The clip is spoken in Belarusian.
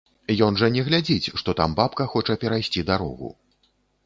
Ён жа не глядзіць, што там бабка хоча перайсці дарогу.